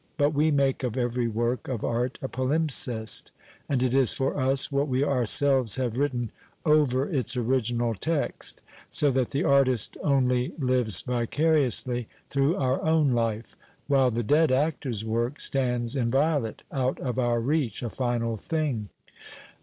But we make of every work of art a palimpsest, and it is for us what we ourselves have written over its original text — so that the artist only lives vicariously, through our own life — while the dead actor's work stands inviolate, out of our reach, a final thing.